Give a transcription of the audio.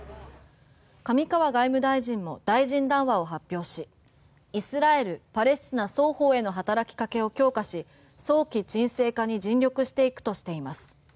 上川外務大臣も大臣談話を発表しイスラエル、パレスチナ双方への働きかけを強化し早期沈静化に尽力していくとしています。